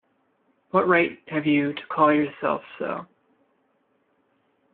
What right have you to call yourself so?